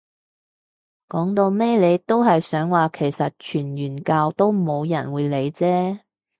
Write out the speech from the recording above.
講到尾你都係想話其實傳完教都冇人會理啫